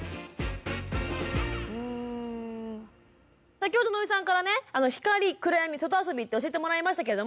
先ほど野井さんからね「光・暗闇・外遊び」って教えてもらいましたけれども